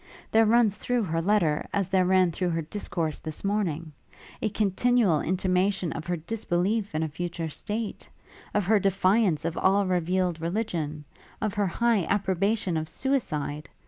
There runs through her letter, as there ran through her discourse this morning, a continual intimation of her disbelief in a future state; of her defiance of all revealed religion; of her high approbation of suicide.